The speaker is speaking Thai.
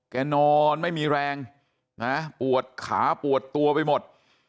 นอนไม่มีแรงนะปวดขาปวดตัวไปหมด